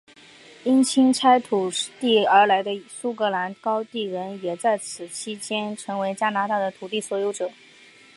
因清拆土地而来的苏格兰高地人也在此期间成为加拿大的土地所有者。